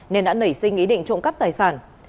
nên đã nảy sinh ý định trộm cắp tài sản